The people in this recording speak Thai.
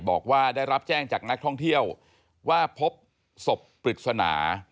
บอกว่าได้รับแจ้งจากนักท่องเที่ยวว่าพบศพปริศนา